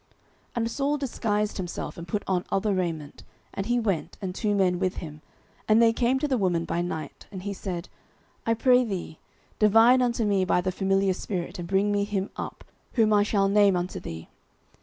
09:028:008 And Saul disguised himself, and put on other raiment, and he went, and two men with him, and they came to the woman by night: and he said, I pray thee, divine unto me by the familiar spirit, and bring me him up, whom I shall name unto thee.